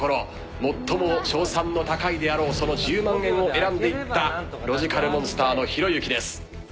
最も勝算の高いであろう１０万円を選んでいったロジカルモンスターのひろゆきです。